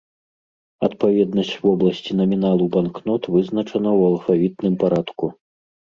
Адпаведнасць вобласці наміналу банкнот вызначана ў алфавітным парадку.